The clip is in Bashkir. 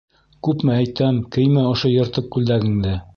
Күпме әйтәм, кеймә ошо йыртыҡ күлдәгеңде!